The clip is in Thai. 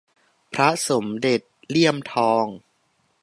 พระสมเด็จเลี่ยมทอง